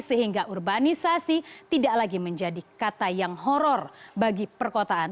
sehingga urbanisasi tidak lagi menjadi kata yang horror bagi perkotaan